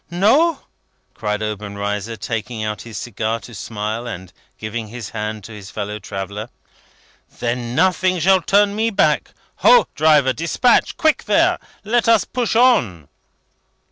"No?" cried Obenreizer, taking out his cigar to smile, and giving his hand to his fellow traveller. "Then nothing shall turn me back. Ho, driver! Despatch. Quick there! Let us push on!"